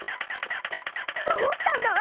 どうしたんだ？